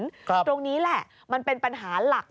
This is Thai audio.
ตรงนี้แหละมันเป็นปัญหาหลัก